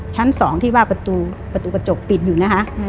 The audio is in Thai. ชั้น๒ที่ว่าประตูกระจกปิดอยู่นะคะ